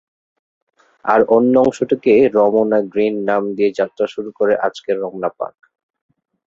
আর অন্য অংশটিকে রমনা গ্রিন নাম দিয়ে যাত্রা শুরু করে আজকের রমনা পার্ক।